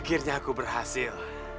akhirnya aku berhasil